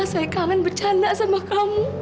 saya kangen bercanda sama kamu